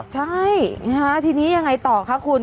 ใช่ทีนี้ยังไงต่อคะคุณ